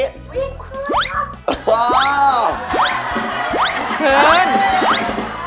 วิทย์พื้นครับ